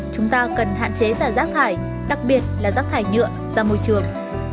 chúng ta cần hạn chế xả rác thải đặc biệt là rác thải nhựa ra môi trường